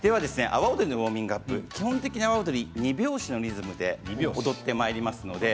阿波おどりのウォーミングアップ基本的に２拍子のリズムで踊ってまいります。